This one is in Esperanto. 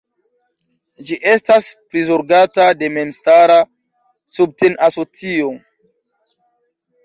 Ĝi estas prizorgata de memstara subten-asocio.